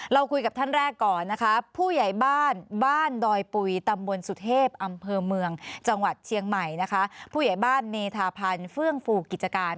เราคุยกับท่านแรกก่อนนะคะผู้ใหญ่บ้านบ้านดอยปุ๋ยตำบลสุเทพอำเภอเมืองจังหวัดเชียงใหม่นะคะผู้ใหญ่บ้านเมธาพันธ์เฟื่องฟูกิจการ